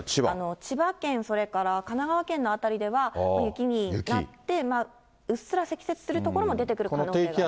千葉県、それから神奈川県の辺りでは雪になって、うっすら積雪する所も出てくるかもしれない。